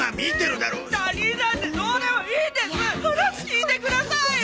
話聞いてくださいよ。